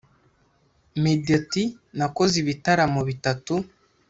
Meddy ati “Nakoze ibitaramo bitatu